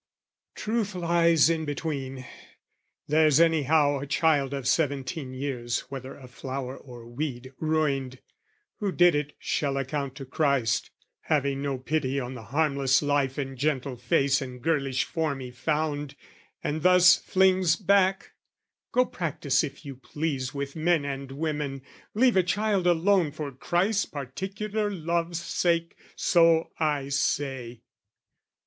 Truth lies between: there's anyhow a child Of seventeen years, whether a flower or weed, Ruined: who did it shall account to Christ Having no pity on the harmless life And gentle face and girlish form he found, And thus flings back: go practise if you please With men and women: leave a child alone For Christ's particular love's sake! so I say.